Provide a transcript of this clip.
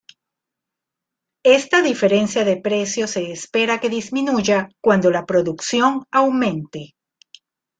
Esta diferencia de precio se espera que disminuya cuando la producción aumente.